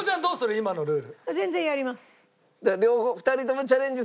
今のルール。